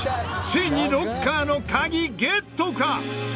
ついにロッカーの鍵ゲットか！？